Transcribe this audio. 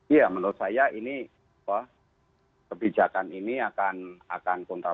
ya menurut saya ini pak kebijakan ini akan pun terpasang